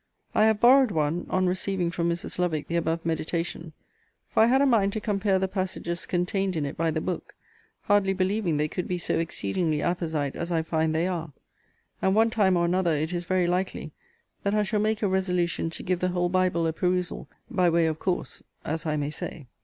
I have borrowed one, on receiving from Mrs. Lovick the above meditation; for I had a mind to compare the passages contained in it by the book, hardly believing they could be so exceedingly apposite as I find they are. And one time or another, it is very likely, that I shall make a resolution to give the whole Bible a perusal, by way of course, as I may say.